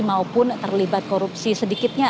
maupun terlibat korupsi sedikitnya